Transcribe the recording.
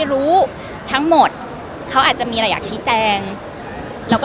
และความชัดเจนก็